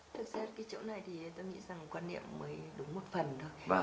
thực ra cái chỗ này thì tôi nghĩ rằng quan niệm mới đúng một phần thôi